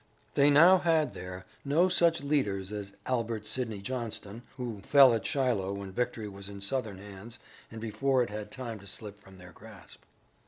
They now had there no such leaders as Albert Sidney Johnston, who fell at Shiloh when victory was in Southern hands and before it had time to slip from their grasp.